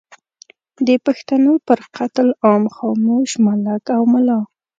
د پښتنو پر قتل عام خاموش ملک او ملا